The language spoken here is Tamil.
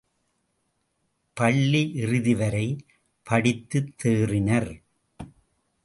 பள்ளியிறுதிவரை படித்துத் தேறினர்.